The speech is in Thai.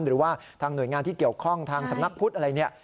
หรือว่าทางหน่วยงานที่เกี่ยวข้องทางสำนักพุทธอะไรเนี่ย